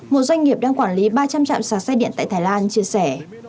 một doanh nghiệp đang quản lý ba trăm linh chạm sạc xe điện tại thái lan chia sẻ